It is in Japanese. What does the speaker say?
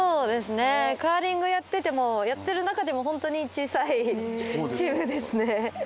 カーリングやっててもやってる中でも本当に小さいチームですね。